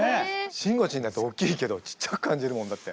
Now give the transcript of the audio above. しんごちんだっておっきいけどちっちゃく感じるもんだって。